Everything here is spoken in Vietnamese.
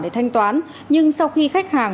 để thanh toán nhưng sau khi khách hàng